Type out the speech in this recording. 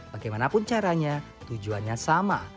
bagaimanapun caranya tujuannya sama